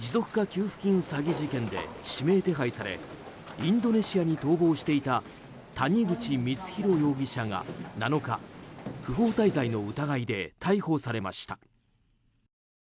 給付金詐欺事件で指名手配されインドネシアに逃亡していた谷口光弘容疑者が７日不法滞在の疑いで逮捕されました。